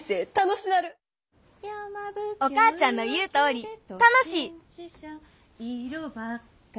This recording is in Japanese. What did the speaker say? お母ちゃんの言うとおり楽しい！